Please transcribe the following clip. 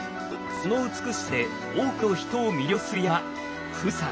その美しさで多くの人を魅了する山